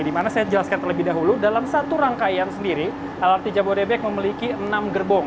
di mana saya jelaskan terlebih dahulu dalam satu rangkaian sendiri lrt jabodebek memiliki enam gerbong